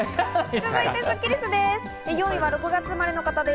続いてスッキりすです。